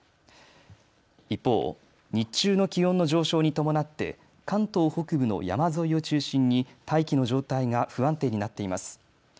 一方、日中の気温の上昇に伴って関東北部の山沿いを中心に大気の状態が不安定になっています。